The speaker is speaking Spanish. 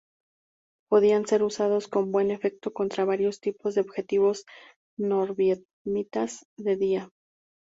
Podían ser usados con buen efecto contra varios tipos de objetivos norvietnamitas de día.